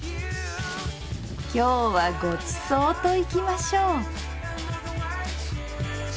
今日はごちそうといきましょう！